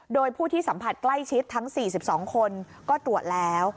โดยผู้ที่สัมผัสใกล้ชิดทั้ง๔๒คนก็ตรวจแล้ว